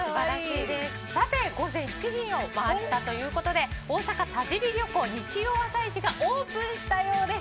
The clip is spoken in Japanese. さて、午前７時を回ったということで大阪田尻漁港、日曜朝市がオープンしたようです。